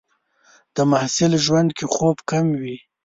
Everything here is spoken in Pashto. د محصل ژوند کې خوب کم وي.